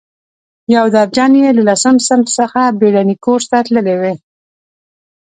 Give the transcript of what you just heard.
یو درجن یې له لسم صنف څخه بېړني کورس ته تللي وو.